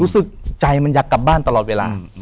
ใจมันอยากกลับบ้านตลอดเวลา